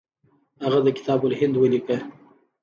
هغه د کتاب الهند ولیکه.